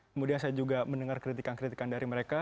kemudian saya juga mendengar kritikan kritikan dari mereka